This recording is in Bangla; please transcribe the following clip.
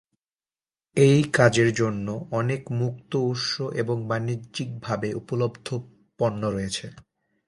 এই কাজের জন্য অনেক মুক্ত উৎস এবং বাণিজ্যিকভাবে উপলব্ধ পণ্য রয়েছে।